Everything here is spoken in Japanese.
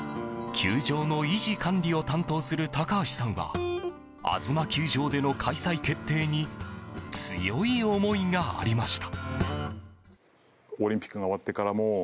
球場の維持・管理を担当する高橋さんはあづま球場での開催決定に強い思いがありました。